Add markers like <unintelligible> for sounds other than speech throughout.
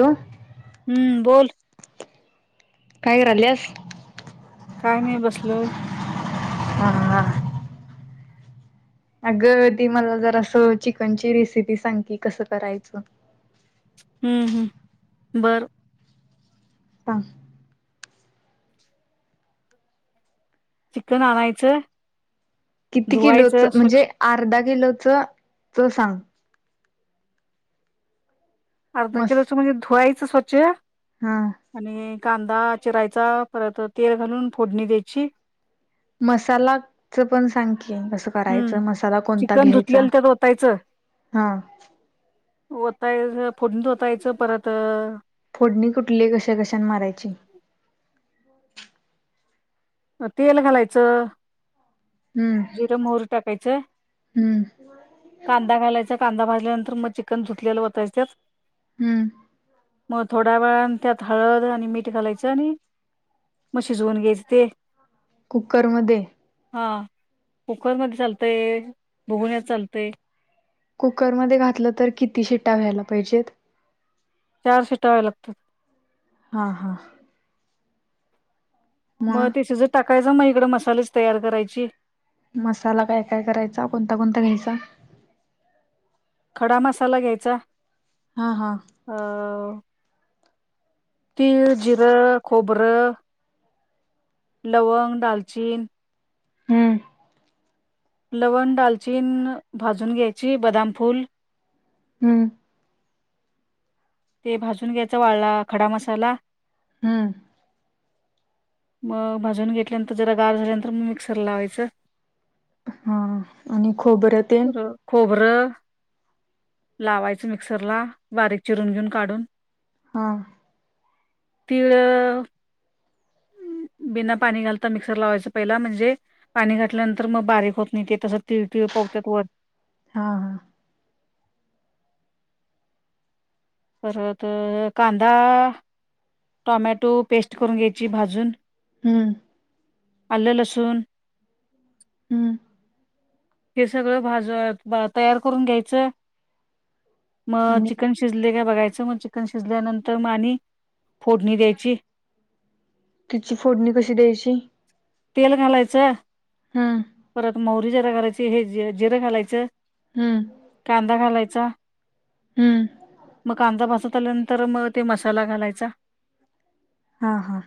Hello हम्म बोल काय करालियास? काय नाही बसलोय ह हा अगं ती मला जरास असं चिकनची रेसिपी सांग की कसं करायचं हम्म हम्म बरं सांग चिकन आणनायचं किती किलोच म्हणजे अर्धा किलो च च सांग अर्धा मस किलोच म्हणजे धुवायचं स्वच्छ हा आणि कांदा चिरायचा परत तेल घालून फोडणी द्यायची मसालाच च पण सांग कसं हं. करायचं मसाला कोणता चिकन घ्यायचा धुतलेलं त्यात ओतायचं. हा वतायच फोडनीट वतायच परत फोडणी कुठली कशा कशान मारायची तेल घालायचं हम्म जिर मोहरी टाकायचं हम्म कांदा घालायच कांदा भाजल्यानंतर तर मग चिकन धूतलेलं वतायचं त्यात हम्म मग थोड्या वेळांन त्यात हळद आणि मीठ घालायचं आणि म शिजवून घ्यायचे ते कुकरमध्ये हा कुकरमध्ये चालतय भुगुण्यात चालतय कुकरमध्ये घातलं तर किती शिटा व्यायला पाहिजेत चार सीटा व्हायला लागतात हा हा मग ते शिजत टाकायचं मग इकड मसाल्याची तयारी करायची मसाला काय काय करायचा कोणता कोणता घ्यायचा खडा मसाला घ्यायचा हा हा. अ तिळ जिर खोबरं लवंग दालचीन हम्म लवंग दालचीन भाजून घ्यायची बदाम फूल हम्म ते भाजून घ्यायचं वाळला खडा मसाला हम्म मग भाजून घेतल्यानंतर जरा गार झाल्यानंतर मग मिक्सर लावायचं हा आणि खोबरं तेन र खोबरं. लावायच मिक्सर ला, बारीक चिरून घेऊन काढून. हा. तिळं. <inaudible> बिना पाणी घालता मिक्सर लावायचं, पहिला म्हणजे पाणी घातल्यानंतर मग बारीक होत नाही, ते तसं तीळ तिळ. <unintelligible> हा हा. परत कांदा. टोमॅटो पेस्ट करून घ्यायची भाजून. हम्म. आलू लसून. हम्म हे सगळं भाज तयार करून घ्यायचं. मग आणि चिकन शिजले का. बघायच मग चिकन शिजल्यानंतर, मग आणि फोडणी द्यायची. तिची फोडणी कशी द्यायची. तेलं घालायच. हम्म. मोहरी जिर घालायची, हे जिरं घालायचं हम्म कांदा घालायचा. हम्म मग कांदा भासत आल्यानंतर मग ते मसाला घालायचा. हा हा.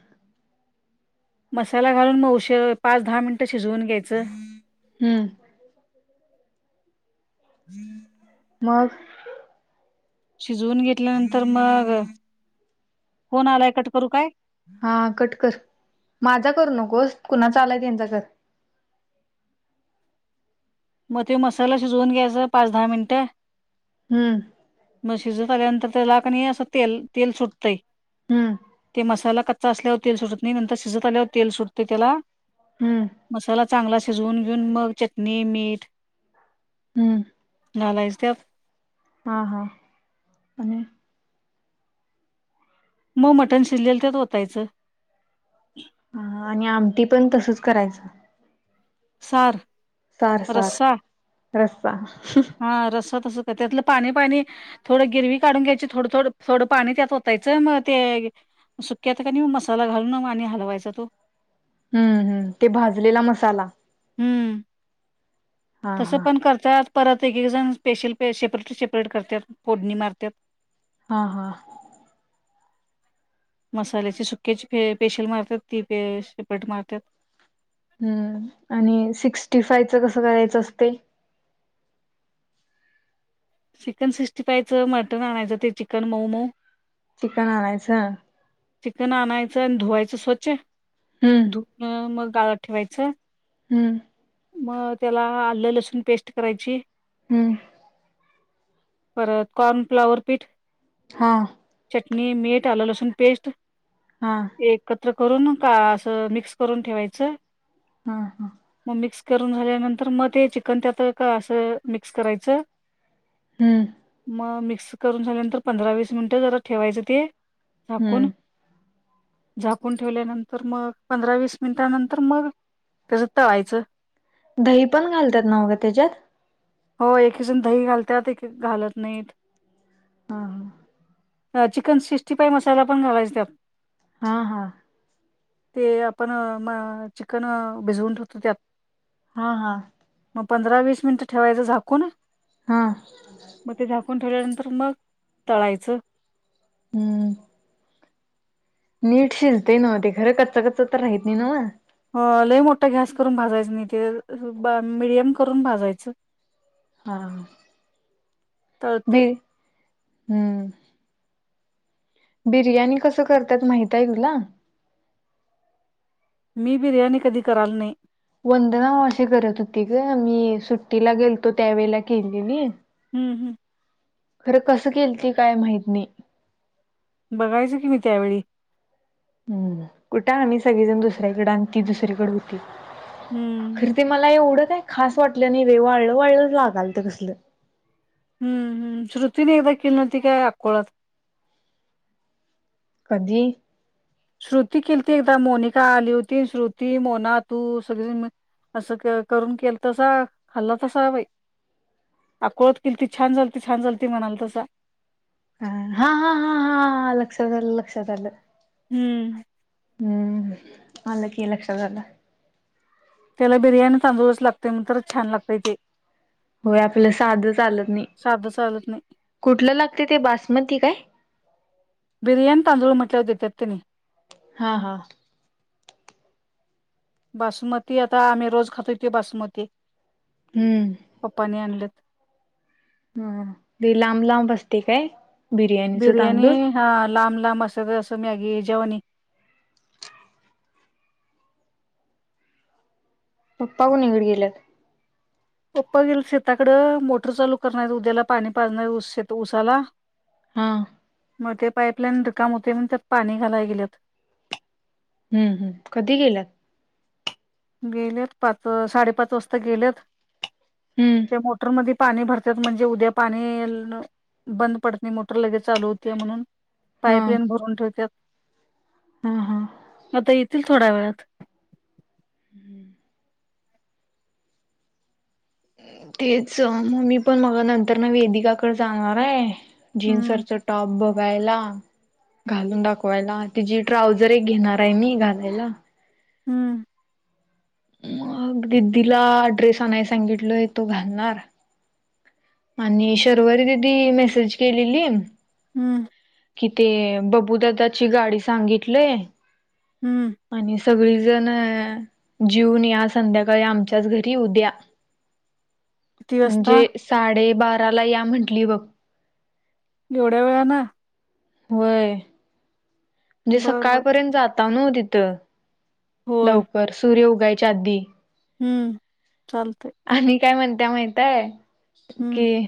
मसाला घालून मग उश पाच दहा मिनिटं शिजवून घ्यायचं. हम्म. ह <unintelligible> मग. शिजवून घेतल्यानंतर मग कोण आलाय कट करू काय. हा कटकर माझा कर नक. गोष्ट कुणा चा आलाय त्यांच घर. मग ते मसाला शिजवून घ्यायचा पाच दहा मिनटं. हम्म म्हशीज आल्यानंतर त्यालाकणी असं तेल तेल सुटतंय. हम्म ते मसाला कच्चा असल्यावर तेल सुटत नाही, नंतर शिजत आल्यावर तेल सुटते त्याला. हम्म. मसाला चांगला शिजवून घेऊन मग चटणी मीठ. हम् घालायचं त्यात हा हा. हम <unintelligible> मग मटण शिरलेल त्यात वतायचं. ह आणि आमटी पण तसच करायचं. सार. सार सार रस्सा रसा. तस त्यातलं पाणी पाणी थोडं गिरवी काढून घ्यायची, थोडं थोडं थोडं पाणी त्यात होतायचं मग ते. सुक्यात का नाही, मसाला घालून आणि हलवायचा तो. हम्म हम्म ते भाजलेला मसाला. हम्म. हा तसं हा. पण करतात. परत एक एक जण स्पेशल सेपरेट सेपरेट करतात फोडणी मारतात. हा हा. मसाल्याची सुक्याची पेशल मारतात, ती प शेपट मारतात. हम्म आणि सिक्स्टी फाय च कसं करायचं असते. चिकन सिक्स्टी फायव च मटन आणायचं ते चिकन मोमो. चिकन आणायचं. चिकन आणायचं आणि धुवायचं, स्वच्छ हम्म धुवन मग गाळ ठेवायचं. हम्म. मग त्याला आलं लसूण पेस्ट करायची हम्म परत कॉर्न फ्लावर पीठ हा चटणी मीठ आल लसूण पेस्ट हा एक तर करून का असं मिक्स करून ठेवायचं हा हा मग मिक्स करून झाल्यानंतर मग ते चिकन त्यात का असं मिक्स करायचं हम्म मिक्स करून झाल्यानंतर पंधरा वीस मिनिट जरा ठेवायचं ते झाकून हम्म झाकून ठेवल्यानंतर मग पंधरा वीस मिनिट नंतर मग तसं त व्हायचं दही पण घालतात नाघ त्याच्यात हो एकी जण दही घालत्यात एक घालत नाहीत हा ह चिकन सिक्स्टी फाय्ह फाईव्ह मसाला पण घालायच त्यात हा हा ते आपण म चिकन भिजवून ठेवतो त्यात हा हा ग पंधरा वीस मिनिट ठेवायचं झाकून हा मग ते झाकून ठेवल्यानंतर मग तळायचं हम्म नीट शिजतंय नव्ह ते खरं कच्च कच्च तर राहत नाही ना लई मोठा गॅस करून भाजायचं नाही ते मडियम करून भाजायचं हा बी तळतयं हम्म बिर्याणी कस करतात माहितय तुला मी बिर्याणी कधी कराल नाही वंदना मावशी करत होती ग मी सुट्टीला गेलतो त्यावेेळेला केलेली हम्म हम्म खरं कसं केलती काय माहत नाही बघायचं की मी त्यावेळी हम्म कुठे आमी सगळेजण दुसऱ्याकडें आणि ती दुसरीकडे होती हम्म खर ते मला एवढंच काय खास वाटलं नाही ब‌ई वाळलं वाळलं लागालतं कसलं हम् हम्म श्रृतीने एकदा किली नव्हती काय अकोळत कधी श्रुती केलती एकदा मोनिका आली होती श्रुती मोना तू सगळीजण मिळून असं करून केल तसा खाल्ल तसा बई आकोळात केलती छान झालती छान झालती म्हणालतासा ह हा हा हा हा लक्षात आलं लक्षात आलं हम्म. हम्म आलं की लक्षात आलं त्याला बिर्याणी तांदुळ च लागते नंन्तरच छान लागतेय ते होय आपलं साध चालत नाही साधं चालत नाही कुठलं लागते ते बासमती काय बिर्याणी तांदूळ म्हटल्यावर देतात त्यानी हा हा बासमती आता आम्ही रोज खातोय त्यो बासमती हम्म पप्पानी आणलेत हा हा ते लांब लांब असते काय बिर्याणीचं बिर्याणी तांदूळ हा लांब लांब असत तसं मॅगीच्यावणी पप्पा कुणीकड गेल्यात पप्पा गेल शेताकडं मोटर चालू करणार उद्याला पाणी पाजणार ऊस शेत उसाला हा मग ते पाईपलाईन रिकाम होतेय म्हणून त्यात पाणी घालाय गेल्यात हम्म हम्म कधी गेल्यात गेलेत पाच साडेपाच वाजता गेलेत हम्म त्या मोटरमध्ये पाणी भरत्यात म्हणजे उद्या पाणी बंद पडत नाही मोटर लगेच चालू होत्या म्हणून हा पाईपलाईन भरून ठेवत्यात हा हा <unintelligible> आता येतील थोड्या वेळात तेच मम्मी पण मग नंतरन वेदिकाकड जाणाराय हम्म जीन्सवरचा टॉप बघायला घालून दाखवायला तिची ट्राऊझर एक घेणार आहे मी घालायला हम्म मग दीदीला ड्रेस अनायसांगितलोय तो घालणार आणि शर्वरी दिदी मेसेज केलेली हम्म कि ते ब अबू ददाची गाडी सांगितलय हम्म आणि सगळी जण ह जूनया संध्याकाळी आमच्याच घरी उद्या किती वाजता म्हणजे साडेबाराला या म्हंटली बघ एवढ्या वेळान होय म्हणजे बर बर सकाळपर्यंत जाताव न तिथं होय लवकर सूर्य उगायच्या आधी हम्म चाल आणि काय म्हणत्या माहितय हम्म कि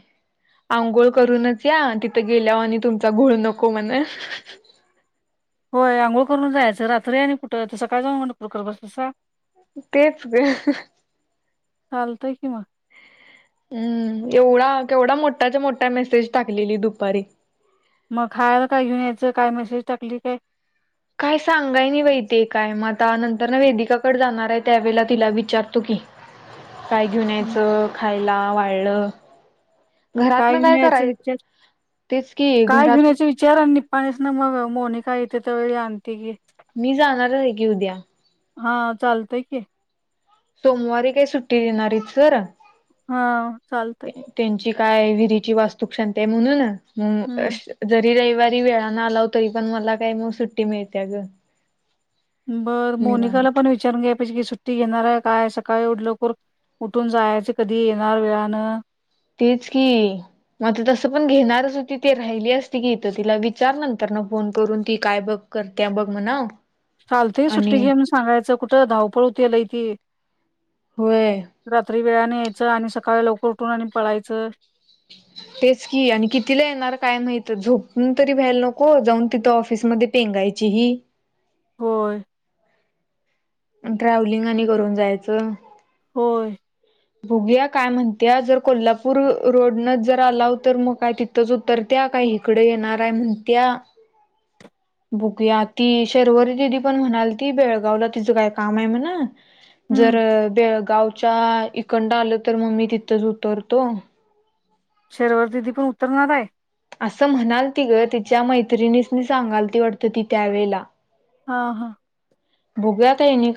आंघोळ करूनच या तिथं गेल्याव आणि तुमचा घोळ नको म्हण होय अंघोळ करून जायचं रात्री आणि कुठं सकाळ जाऊन म्हणरकर बसतसा तेच ग ह चालतंय कि म हम्म एवढा केवढा मोठाच्या मोठा मेसेज टाकलेली दुपारी मग खायला काय घेऊन यायचं काय मेसेज टाकली काय काय सांगाय नाहीबाईतीकाय मआता नंतरन वेदिकाकड जाणार आहे त्यावेेळेला तिला विचारतो की काय घेऊन हम्म. यायचं खायला वाळं काय घेवूनयाच विचार तेच की काय घरात घेवूनयाचे विचार आणि पाणीचनामग मोनिका येथे त्यावेळी आणते की घेऊद्या हा चालतय की सोमवारी काय सुट्टी देणाराईत सर हा चालतय त्यांची काय व्हिरीची वास्तूक शांतीहाय म्हणून हमम हम्म <unintelligible> जरी रवी रविवारी वेळान आलाव तरीपण मला कायमग सुट्टी मिळत्या ग बर मोनिकाला निवांत पण विचारून घे <unintelligible> सुट्टी घेणार आहे काय सकाळी उठल कूर उठून जायच कधी येणार वेळानं तेच की मग ते तसं पण घेणारच होतीती राहिलीअसतीकी इथचं तिला विचार नंतरन फोन करून ती काय बघ करत्या बघ म्हणाव चालतय सुट्टी आणि घे म्हण सांगायचं कुठं धावपळ उती लय ती होय तरी वेळाने यायचं आणि सकाळी लवकर उठून आणि पळायचं ह तेच की आणि कितीला येणार काय माहित झोपून तरी व्यायला नको जाऊन तिथं ऑफिसमध्येध्ये पेंगाय त्याचीही होय ट्रॅव्हलिंग आणि करून जायचं होय बघूया काय म्हणते जर कोल्हापूर रोडनच जर आला तर मग काय तिथच उतरत ता काही इकडे येणार आहे म्हण त्या बुघूया ती शर्वरी दिदी पण म्हणाल ती बेळगावला तिचं काय काम आहे म्हणून हम्म जरब गावच्या इकंड आलं तर मम्मी तिथंच उतरतो शर्वर दिदी पण उतरणार आहे असं म्हणाल ती ग तिच्या मैत्रिणीसनी सांगाल ती वाटत ती त्यावेेळेला हा हा हो गया ताईने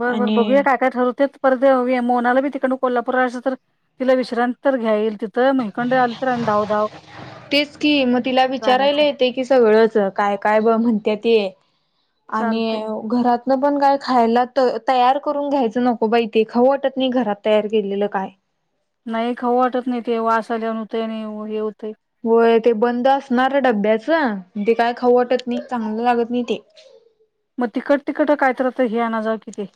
बरं बर बघूया काय काय ठरवते पर हवी मोनाला बी तिकड कोल्हापूर तर तिला विश्रांत तर घ्याईल तिथं मकंड आली तर आणि धावधाव तेच की मग तिला विचारायला येते की सगळंच काय काय ब म्हणते त्या ते आणि चालतंय घरात पण काय खायला तयार करून घ्यायचं नको बा तेे खऊ वाटत नाही घरात तयार केलेलं काय नाही खऊं वाटत नाही ते वास आल्यान होते आणि हे होते होय ते बंद असणार डब्याचं ते काय खवटत नाही चांगलं लागत नाही ते मग तिकट तिकट कायत राहत हे आणन जाव किती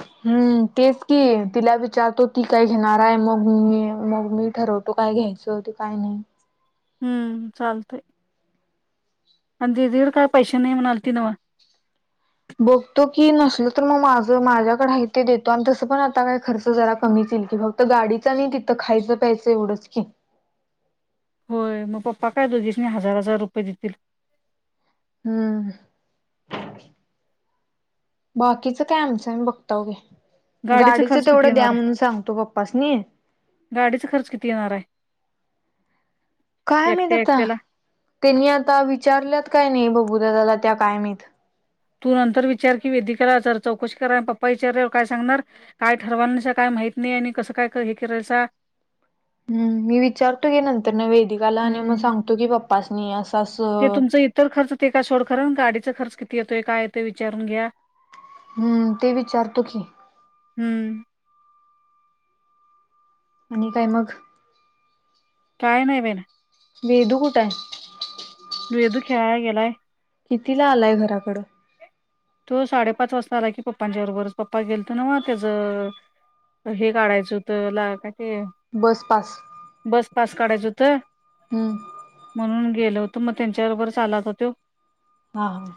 ह हम्म तेस की तिला विचारतो ती काय घेणार आहे मग मी मग मी ठरवतो काय घ याच ते काय नाही हम्म चालतय आणि दीदीड काय पैसे नाही म्हणाल ती नव बघतो की नसल तर मग माझ माझ्याकडेही ते देतो आणि तसं पण आता काही खर्च जरा कमी कि फक्त गाडीच नाही तिथं खायचं प्यायचं एवढंच की होय मग पप्पा काय दो दिीस हजार हजार रुपये देतील हम्म बाकीचं काय आमचं आहे मी बघता घे गाडीचा गाडीचं खर्च किती तेवढं द्या येणार आहे म्हणून सांगतो पप्पासनी गाडीचा खर्च किती येणार आहे काय मा एकट्या आता एकट्याला त्यांनी आता विचारल्यात काय नाही बघू झाला त्या कायमत तू नंतर विचार की वेदी कराार चौकशी करा पप्पा विचारावर काय सांगणार काय ठरवा काय माहिती नाही आणि कसं काय हे करायचा हम्म मी विचारतो गे नंतर न वहे िकाला आणि मग हम्म सांगतो की बाप्पासनी असं अस ते तुमचं इतर खर्च ते काय सोड खरं गाडीचा खर्च किती येतोय काय विचारून घ्या ते विचारतो की हम्म आणि काय मग काय नाही मेल वेदु. कुठ आहे वेदु खेळाय गेलाय कितीला आलंय घराकडं तो साडेपाच वाजता आला कि पप्पांच्या बरोबरच पप्पा गेल त नव त्याज हे काढायचं होत ला काय ते बसपास बस पास काढायचं हुत. हम्म. गेल होत मग त्यांच्याबरोबरच आला आता तोय. हा